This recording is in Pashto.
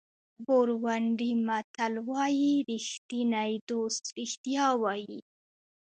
بورونډي متل وایي ریښتینی دوست رښتیا وایي.